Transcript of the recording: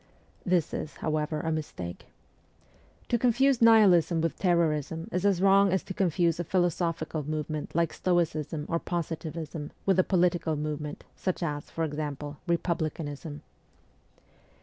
This is, however, a mistake. To coniuse Nihilism with terrorism is as wrong as to confuse a philosophical movement like Stoicism or Positivism with a political movement, such as, for example, republicanism.